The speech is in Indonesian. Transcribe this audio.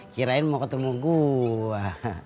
kirain mau ketemu gue